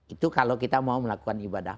itu kalau kita mau melakukan ibadah